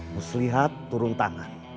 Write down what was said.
muslihat turun tangan